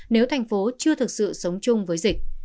nếu thành phố chưa thực sự sống chung với dịch